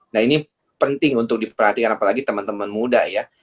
nah ini penting untuk diperhatikan apalagi teman teman muda ya